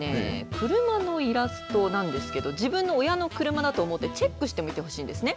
車のイラストなんですけれども自分の親の車だと思ってチェックして見てほしいですね。